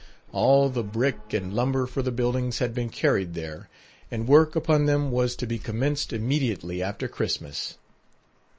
All the brick and lumber for the buildings had been carried there, and work upon them was to be commenced immediately after Christmas.